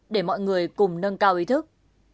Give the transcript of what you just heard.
để mọi người cùng nâng cao ý thức